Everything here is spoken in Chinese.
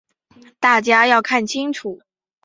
大家要看清楚。